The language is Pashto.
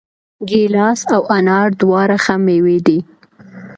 ګیلاس او انار دواړه ښه مېوې دي.